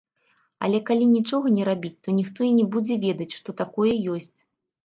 Але калі нічога не рабіць, то ніхто і не будзе ведаць, што такое ёсць.